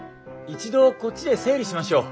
一度こっちで整理しましょう。